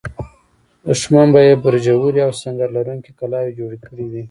دښمن به یې برجورې او سنګر لرونکې کلاوې جوړې کړې وي.